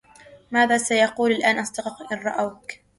ماذا سيقول الآن أصدقاؤك إن رأوك؟